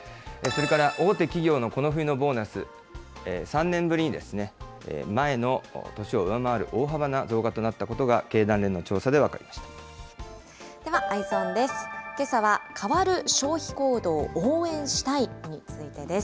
それから大手企業のこの冬のボーナス、３年ぶりに前の年を上回る大幅な増加となったことが、では、Ｅｙｅｓｏｎです。